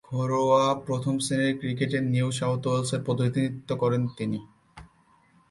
ঘরোয়া প্রথম-শ্রেণীর ক্রিকেটে নিউ সাউথ ওয়েলসের প্রতিনিধিত্ব করেন তিনি।